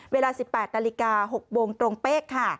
เวลา๑๘นาฬิกา๖โมงตรงเป๊กค่ะ